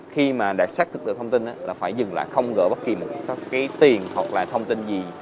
khi mà đã xác thực được thông tin là phải dừng lại không gỡ bất kỳ một cái tiền hoặc là thông tin gì